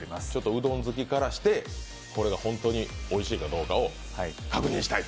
うどん好きからしてこれが本当においしいかどうかを確認したいと。